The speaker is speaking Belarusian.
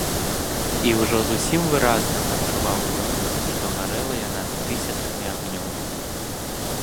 І ўжо зусім выразна пачуваў ён, што гарэла яна тысячамі агнёў.